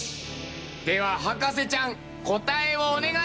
では博士ちゃん答えをお願いします。